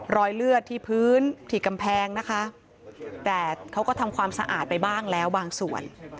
รอยเลือดที่พื้นที่กำแพงนะคะแต่เขาก็ทำความสะอาดไปบ้างแล้วบางส่วน